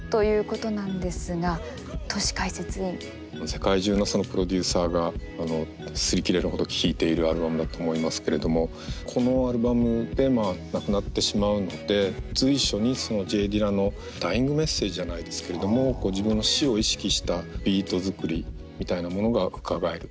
世界中のプロデューサーが擦り切れるほど聴いているアルバムだと思いますけれどもこのアルバムで亡くなってしまうので随所にＪ・ディラのダイイングメッセージじゃないですけれども自分の死を意識したビート作りみたいなものがうかがえる。